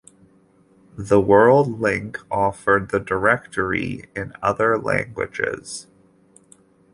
The World link offered the directory in other languages.